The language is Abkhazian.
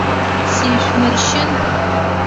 Сишәмыршьын!